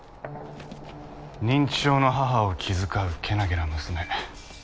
認知症の母を気遣う健気な娘。